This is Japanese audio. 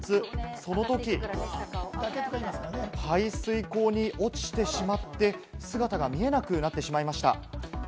その時、排水溝に落ちてしまって、姿が見えなくなってしまいました。